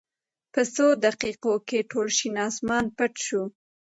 په څو دقېقو کې ټول شین اسمان پټ شو.